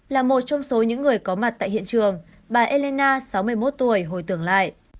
là một trong số những người có mặt tại hiện trường bà elina sáu mươi một tuổi hồi tưởng lại